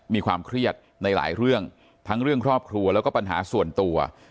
มีความเครียดในหลายเรื่องทั้งเรื่องครอบครัวแล้วก็ปัญหาส่วนตัว